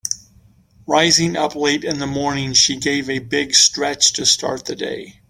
Rising up late in the morning she gave a big stretch to start the day.